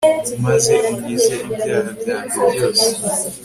maze unkize ibyaha byanjye byose